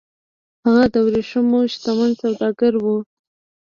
هغه د ورېښمو شتمن سوداګر و